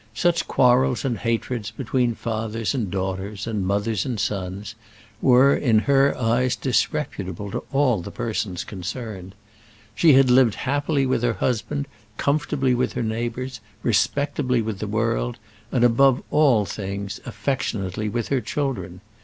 Such quarrels and hatreds between fathers and daughters, and mothers and sons, were in her eyes disreputable to all the persons concerned. She had lived happily with her husband, comfortably with her neighbours, respectably with the world, and, above all things, affectionately with her children.